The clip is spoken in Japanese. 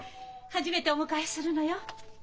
初めてお迎えするのよ。